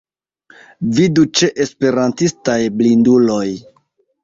Vidu ĉe Esperantistaj blinduloj.